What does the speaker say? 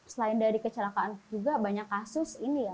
selain dari kecelakaan juga banyak kasus ini ya